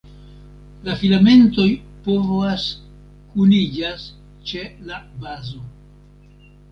La filamentoj povas kuniĝas ĉe la bazo.